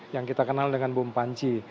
yang kita kenal dengan bumpanci